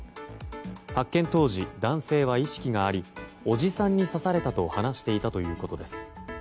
発見当時、男性は意識がありおじさんに刺されたと話していたということです。